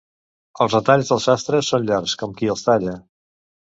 Els retalls del sastre són llargs com qui els talla.